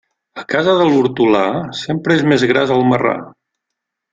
A casa de l'hortolà, sempre és més gras el marrà.